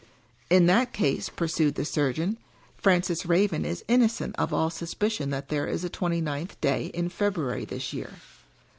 " In that case," pursued the surgeon, " Francis Raven is innocent of all suspicion that there is a twenty ninth day in February this year.